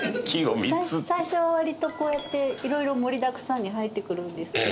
最初は割とこうやって色々盛りだくさんに入ってくるんですけど。